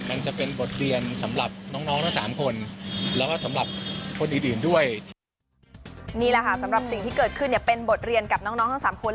มันจะเป็นบทเรียนสำหรับน้องทั้งสามคน